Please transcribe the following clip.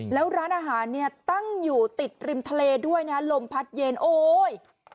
แล้วร้านอาหารเนี่ยตั้งอยู่ติดริมทะเลด้วยนะลมพัดเย็นโอ้ย